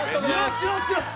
よし、よし、よし。